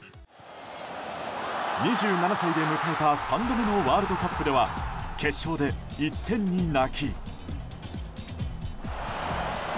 ２７歳で迎えた３度目のワールドカップでは決勝で１点に泣き。